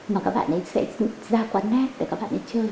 mà các bạn ấy sẽ ra quán nát để các bạn ấy chơi